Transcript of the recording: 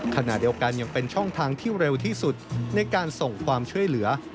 ขณะเดียวกันยังเป็นช่องทางที่เร็วที่สุดในการส่งความช่วยเหลือ